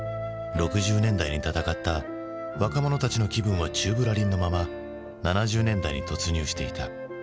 ６０年代に闘った若者たちの気分は宙ぶらりんのまま７０年代に突入していた。